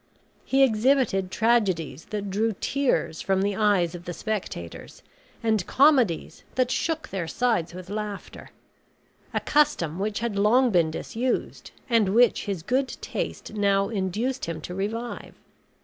He exhibited tragedies that drew tears from the eyes of the spectators, and comedies that shook their sides with laughter; a custom which had long been disused, and which his good taste now induced him to revive.